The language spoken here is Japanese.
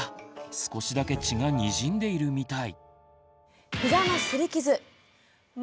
少しだけ血がにじんでいるみたい。